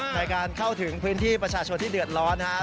ในการเข้าถึงพื้นที่ประชาชนที่เดือดร้อนนะครับ